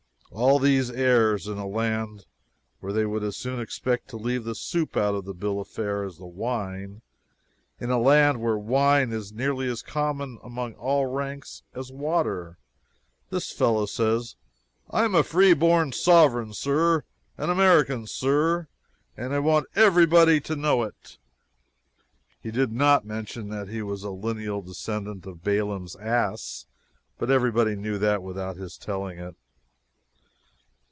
All these airs in a land where they would as soon expect to leave the soup out of the bill of fare as the wine! in a land where wine is nearly as common among all ranks as water! This fellow said: "I am a free born sovereign, sir, an American, sir, and I want everybody to know it!" He did not mention that he was a lineal descendant of Balaam's ass, but everybody knew that without his telling it.